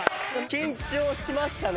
緊張しましたね。